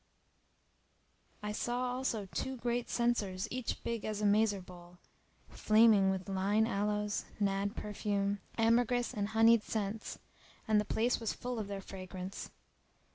I saw there also two great censers each big as a mazer bowl,[FN#297] flaming with lign aloes, nadd perfume,[FN#298] ambergris and honied scents; and the place was full of their fragrance.